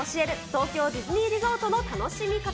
東京ディズニーリゾートの楽しみ方。